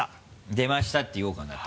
「出ました」って言おうかなと。